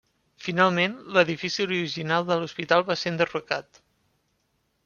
Finalment, l'edifici original de l'Hospital va ser enderrocat.